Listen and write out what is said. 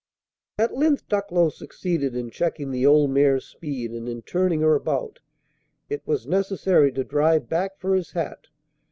At length Ducklow succeeded in checking the old mare's speed and in turning her about. It was necessary to drive back for his hat.